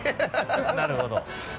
なるほど。